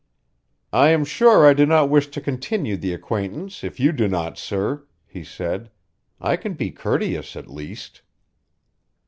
"I am sure I do not wish to continue the acquaintance if you do not, sir," he said. "I can be courteous, at least."